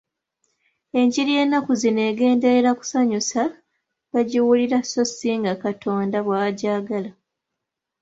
Enjiri y'ennaku zino egenderera kusanyusa bagiwulira so si nga Katonda bw'agyagala.